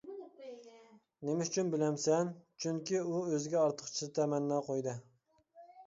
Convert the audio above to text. نېمە ئۈچۈن بىلەمسەن؟ چۈنكى، ئۇ ئۆزىگە ئارتۇقچە تەمەننا قويدى.